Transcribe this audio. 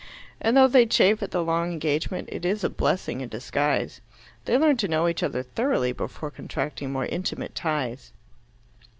And though they chafe at the long engagement, it is a blessing in disguise. They learn to know each other thoroughly before contracting more intimate ties."